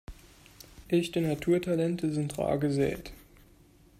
Echte Naturtalente sind rar gesät.